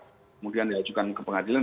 kemudian diajukan ke pengadilan